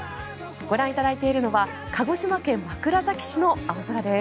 ご覧いただいているのは鹿児島県枕崎市の空です。